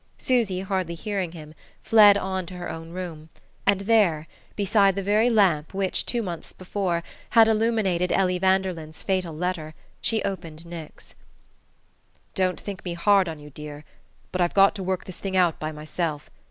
Susy, hardly hearing him, fled on to her own room, and there, beside the very lamp which, two months before, had illuminated Ellie Vanderlyn's fatal letter, she opened Nick's. "Don't think me hard on you, dear; but I've got to work this thing out by myself.